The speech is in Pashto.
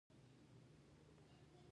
په دې بانکي کورنۍ ځای جینوس ونیوه.